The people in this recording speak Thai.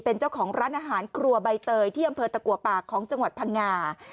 เป็นเจ้าของร้านอาหารครัวใบเตยที่อำเภอตะกัวปากของจังหวัดพังงา